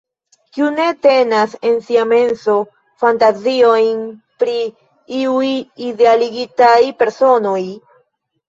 Kiu ne tenas en sia menso fantaziojn pri iuj idealigitaj personoj?